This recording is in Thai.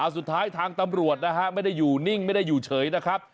สุดท้ายทางตำรวจนะฮะไม่ได้อยู่นิ่งไม่ได้อยู่เฉยนะครับ